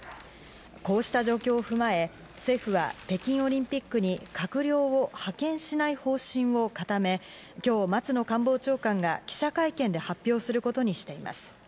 こうした状況を踏まえ、政府は北京オリンピックに閣僚を発見しない方針を固め、今日、松野官房長官が記者会見で発表することにしています。